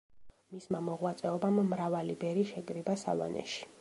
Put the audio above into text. მისმა მოღვაწეობამ მრავალი ბერი შეკრიბა სავანეში.